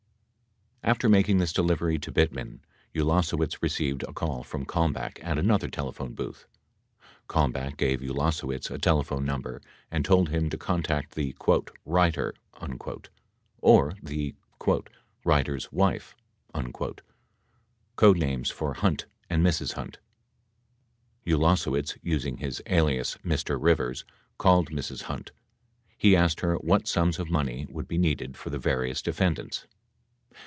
77 After making this delivery to Bittman, Ulasewicz received a call from Kalmbach at another telephone booth. Kalmbach gave Ulasewicz a telephone number and told him to contact the "writer" or the "waiter's wife," code names for Hunt and Mrs. Hunt. Ulasewicz, using his alias "Mr. Rivers," called Mrs. Hunt. He asked her what sums of money would be needed for the various defendants.